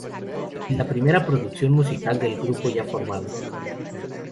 Y la primera producción musical del grupo ya formado.